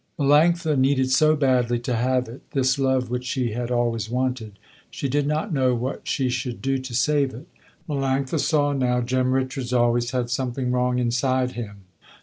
Melanctha needed so badly to have it, this love which she had always wanted, she did not know what she should do to save it. Melanctha saw now, Jem Richards always had something wrong inside him.